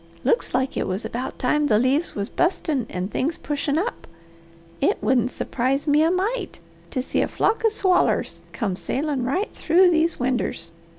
Looks like it was about time the leaves was bustin' and things pushin' up. It wouldn't surprise me a mite to see a flock of swallers come sailin' right through these winders.